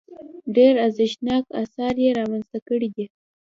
ډېر ارزښتناک اثار یې رامنځته کړي دي.